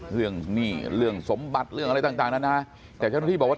หนี้เรื่องสมบัติเรื่องอะไรต่างนะนะแต่เจ้าหน้าที่บอกว่า